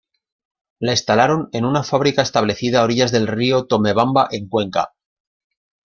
La instalaron en una fábrica establecida a orillas del río Tomebamba en Cuenca.